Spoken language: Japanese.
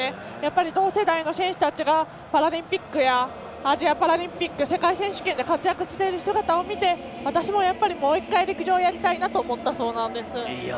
同世代の選手たちがパラリンピックやアジアパラリンピック世界選手権で活躍している姿を見て私もやっぱりもう１回陸上やりたいなと思ったそうなんです。